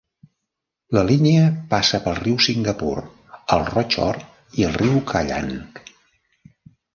La línia passa pel riu Singapur, el Rochor i el riu Kallang.